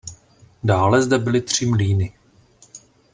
Dále zde byly tři mlýny.